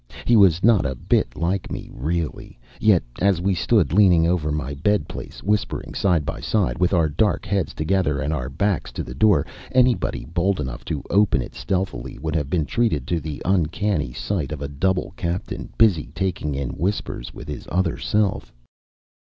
He was not a bit like me, really; yet, as we stood leaning over my bed place, whispering side by side, with our dark heads together and our backs to the door, anybody bold enough to open it stealthily would have been treated to the uncanny sight of a double captain busy talking in whispers with his other self.